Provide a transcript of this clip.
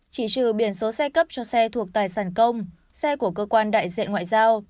chỉ trừ biển số xe cấp cho xe thuộc tài sản công xe của cơ quan đại diện ngoại giao